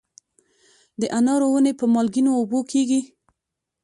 د انارو ونې په مالګینو اوبو کیږي؟